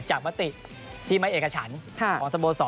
จากประติที่ไม้เอกสารของสโบสร